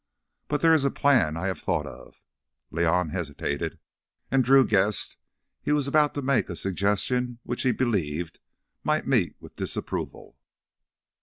But there is a plan I have thought of—" León hesitated, and Drew guessed he was about to make a suggestion which he believed might meet with disapproval.